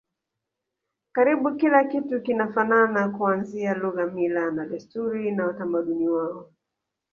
Karibu kila kitu kinafanana kuanzia lugha mila na desturi na utamaduni wao